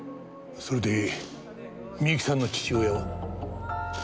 それで美由紀さんの父親は？